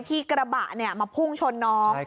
กระบะมาพุ่งชนน้อง